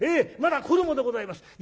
まだ子どもでございます。